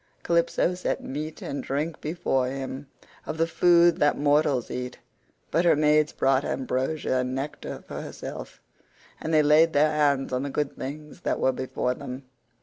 Calypso set meat and drink before him of the food that mortals eat; but her maids brought ambrosia and nectar for herself, and they laid their hands on the good things that were before them.